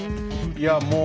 いやもう。